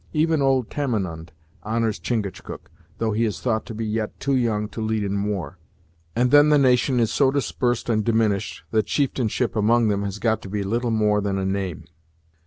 Even old Tamenund honors Chingachgook, though he is thought to be yet too young to lead in war; and then the nation is so disparsed and diminished, that chieftainship among 'em has got to be little more than a name.